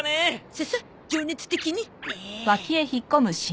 ささっ情熱的に。